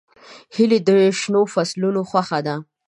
هیلۍ د شنو فصلونو خوښه ده